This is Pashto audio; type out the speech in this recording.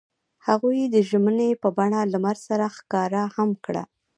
هغوی د ژمنې په بڼه لمر سره ښکاره هم کړه.